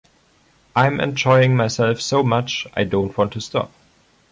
I'm enjoying myself so much I don't want to stop.